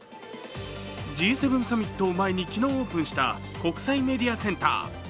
Ｇ７サミットを前に昨日オープンしたメディアセンター。